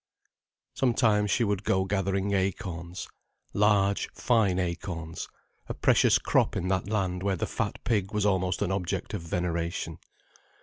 Sometimes she would go gathering acorns, large, fine acorns, a precious crop in that land where the fat pig was almost an object of veneration.